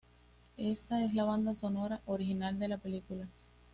Esta es la banda sonora original de la película.